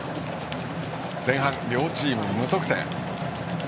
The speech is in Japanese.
前半、両チーム無得点。